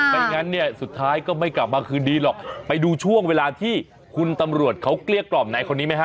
อย่างนั้นเนี่ยสุดท้ายก็ไม่กลับมาคืนดีหรอกไปดูช่วงเวลาที่คุณตำรวจเขาเกลี้ยกล่อมในคนนี้ไหมฮ